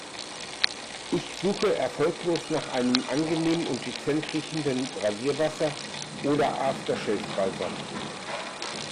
Ich suche erfolglos nach einem angenehm und dezent riechenden Rasierwasser oder After-Shave-Balsam.